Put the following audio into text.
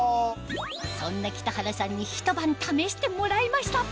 そんな北原さんにひと晩試してもらいました